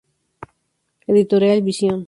Editorial Visión.